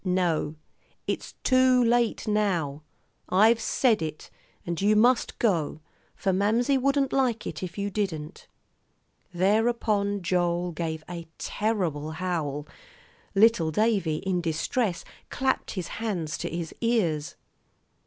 "No, it's too late now. I've said it, and you must go; for Mamsie wouldn't like it if you didn't." Thereupon Joel gave a terrible howl. Little Davie, in distress, clapped his hands to his ears.